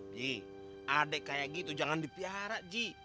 ji adek kayak gitu jangan dipiara ji